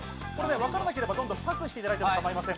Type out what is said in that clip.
わからなければパスしていただいて構いません。